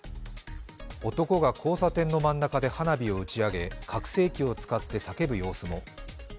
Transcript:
男が交差点の真ん中で花火を打ち上げ、拡声器を使って叫ぶ様子も。